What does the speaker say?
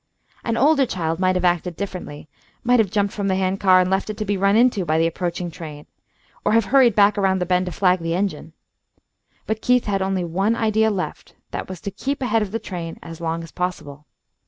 An older child might have acted differently; might have jumped from the hand car and left it to be run into by the approaching train, or have hurried back around the bend to flag the engine. But Keith had only one idea left: that was to keep ahead of the train as long as possible.